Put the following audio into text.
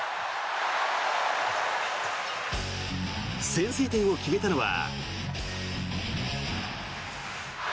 先制点を決めたのは。